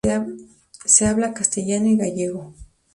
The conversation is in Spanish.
Se habla Castellano y Gallego.